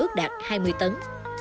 ước đạt hai mươi tấn